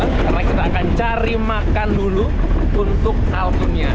sekarang kita akan cari makan dulu untuk kalkunnya